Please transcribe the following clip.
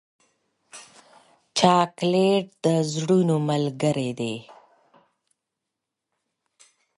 چاکلېټ د زړونو ملګری دی.